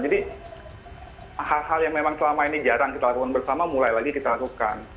jadi hal hal yang memang selama ini jarang kita lakukan bersama mulai lagi kita lakukan